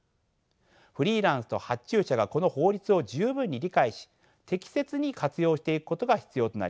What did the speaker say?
フリーランスと発注者がこの法律を十分に理解し適切に活用していくことが必要となります。